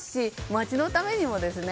街のためにもね。